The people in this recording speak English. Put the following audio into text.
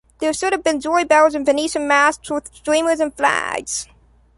There should have been joy-bells and Venetian masts with streamers and flags.